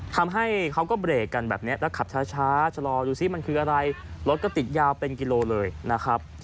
ทำให้เขาก็เบรกกันแบบนี้แล้วขับช้าชะลอดูสิมันคืออะไรรถก็ติดยาวเป็นกิโลเลยนะครับ